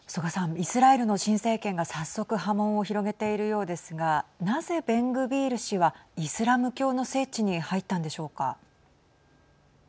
イスラエルの新政権が早速波紋を広げているようですがなぜベングビール氏はイスラム教の聖地に入ったんでしょうか。